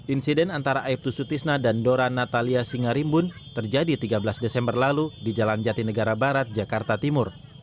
insiden antara aibtu sutisna dan dora natalia singarimbun terjadi tiga belas desember lalu di jalan jatinegara barat jakarta timur